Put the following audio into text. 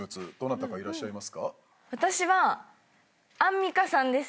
私はアンミカさんです。